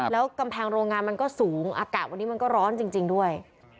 แล้วกำแพงโรงงานมันก็สูงอากาศวันนี้มันก็ร้อนจริงด้วย